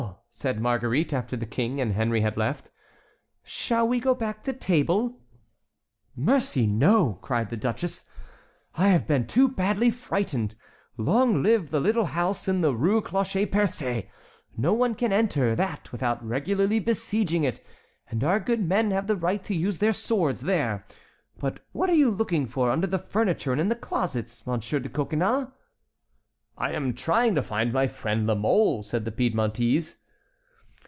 said Marguerite, after the King and Henry had left, "shall we go back to table?" "Mercy, no!" cried the duchess, "I have been too badly frightened. Long live the little house in the Rue Cloche Percée! No one can enter that without regularly besieging it, and our good men have the right to use their swords there. But what are you looking for under the furniture and in the closets, Monsieur de Coconnas?" "I am trying to find my friend La Mole," said the Piedmontese.